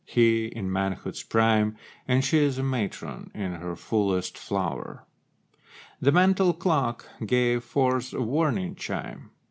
He in manhood's prime And she a matron in her fullest flower. The mantel clock gave forth a warning chime.